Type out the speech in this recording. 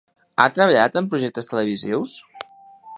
Ha treballat en projectes televisius?